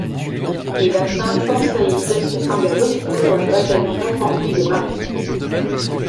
Il atteint Port Saïd, et s'engage aussitôt dans le Bataillon d'Infanterie de Marine.